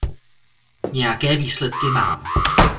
Nějaké výsledky mám.